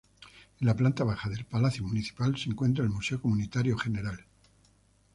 En la planta baja del Palacio Municipal se encuentra el Museo Comunitario “Gral.